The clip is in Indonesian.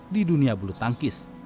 di dunia bulu tangkis